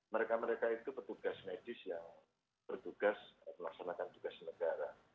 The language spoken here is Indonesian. mereka mereka itu petugas medis yang bertugas melaksanakan tugas negara